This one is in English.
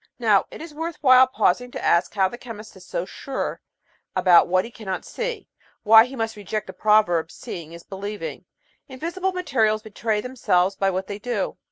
Now it is worth while pausing to ask how the chemist is so sure about what he cannot see, why he must reject the proverb "seeing is believing." Invisible materials betray themselves by what they do.